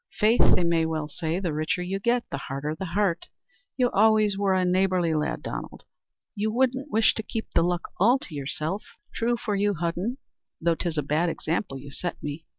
"Faith, they may well say, the richer you get, the harder the heart. You always were a neighbourly lad, Donald. You wouldn't wish to keep the luck all to yourself?" "True for you, Hudden, though 'tis a bad example you set me.